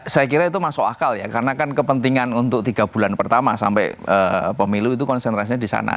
saya kira itu masuk akal ya karena kan kepentingan untuk tiga bulan pertama sampai pemilu itu konsentrasinya di sana